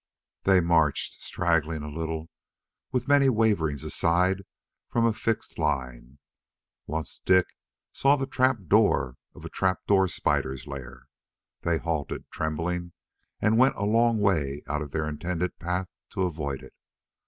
They marched, straggling a little, with many waverings aside from a fixed line. Once Dik saw the trap door of a trapdoor spider's lair. They halted, trembling, and went a long way out of their intended path to avoid it.